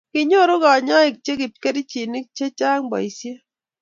kinyoru kanyoik che chepkerichonik che chang' boisie